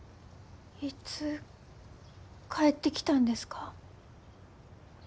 いつ帰ってきたんですか？